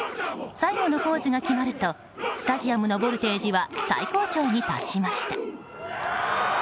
最後のポーズが決まるとスタジアムのボルテージは最高潮に達しました。